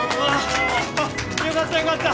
よかったよかった！